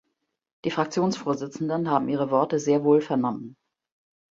Die Fraktionsvorsitzenden haben Ihre Worte sehr wohl vernommen.